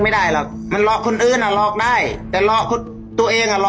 ไม่ได้หรอกมันล็อกคนอื่นอ่ะหลอกได้แต่รอตัวเองอ่ะรอ